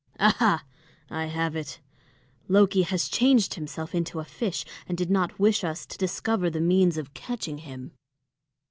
Aha! I have it. Loki has changed himself into a fish, and did not wish us to discover the means of catching him."